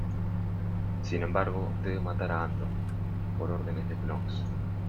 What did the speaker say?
Sin embargo, debe matar a Ando por órdenes de Knox.